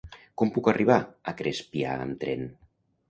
Com puc arribar a Crespià amb tren?